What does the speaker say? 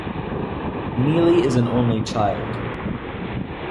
Neely is an only child.